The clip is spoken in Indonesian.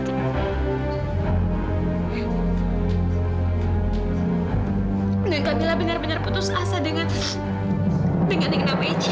dan kak mila benar benar putus asa dengan dengan yang namanya cip